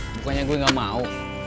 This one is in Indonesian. bukannya gue gak mau